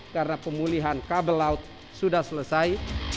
karena pemulihan kabel laut sudah selesai